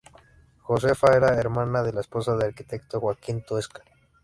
Josefa era hermana de la esposa del arquitecto Joaquín Toesca.